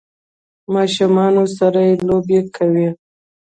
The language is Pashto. ماشومانو سره یی لوبې کولې